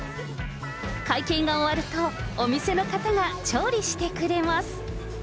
会計が終わるとお店の方が調理してくれます。